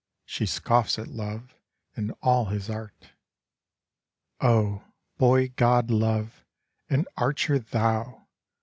She scoffs at Love and all his art ! Oh, boy god, Love ! An archer thou